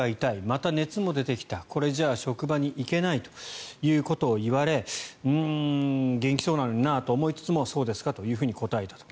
また熱も出てきたこれじゃ、職場にいけないということを言われんー、元気そうなのになと思いつつもそうですかと答えたと。